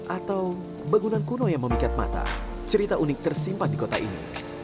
atau bangunan kuno yang memikat mata cerita unik tersimpan di kota ini